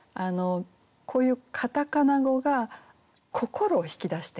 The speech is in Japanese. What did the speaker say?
こういうカタカナ語が心を引き出してくる。